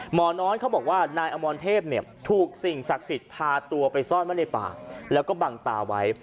หมอน้อยเขาบอกว่านายอมรเทพถูกสิ่งศักดิ์สิทธิ์พาตัวไปซ่อนไว้ในป่าแล้วก็บังตาไว้